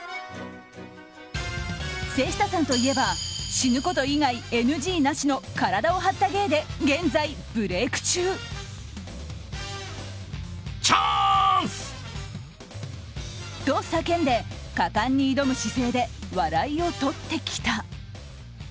瀬下さんといえば死ぬこと以外ＮＧなしの体を張った芸で、現在ブレーク中。と、叫んで果敢に挑む姿勢で笑いをとってきた。